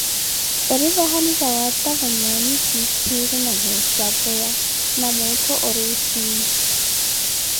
Eri vahali zawattavo nyaanyi titthiru na zooxhapweya na muuttho ori oxhini.